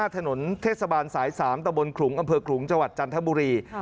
ถนนเทศบาลสาย๓ตะบนขลุงอำเภอขลุงจังหวัดจันทบุรี